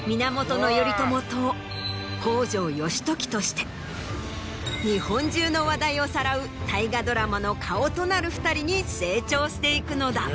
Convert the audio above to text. として日本中の話題をさらう大河ドラマの顔となる２人に成長していくのだ。